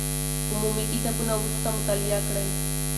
عمومي کتابونه وروسته مطالعه کړئ.